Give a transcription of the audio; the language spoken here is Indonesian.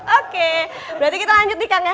oke berarti kita lanjut nih kang ya